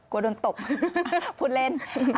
กลัวโดนตบพูดเล่น